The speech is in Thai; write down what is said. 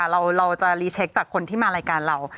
เราจะรีเช็คจากคนที่มารายการเรา